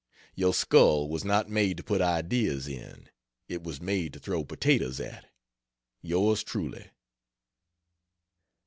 Your skull was not made to put ideas in, it was made to throw potatoes at. Yours Truly.